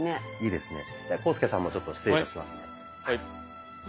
では浩介さんもちょっと失礼いたします。